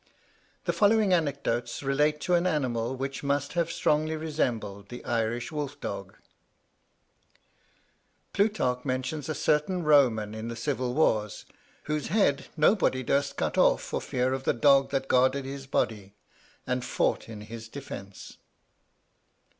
The following anecdotes relate to an animal which must have strongly resembled the Irish wolf dog: Plutarch mentions a certain Roman in the civil wars, whose head nobody durst cut off for fear of the dog that guarded his body, and fought in his defence.